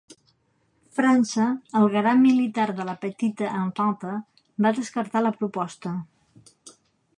França, el garant militar de la petita Entente, va descartar la proposta.